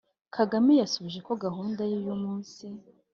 kagame yasubije ko gahunda ye y’umunsi